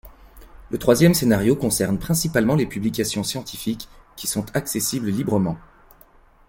Le troisième scénario concerne principalement les publications scientifiques, qui sont accessibles librement.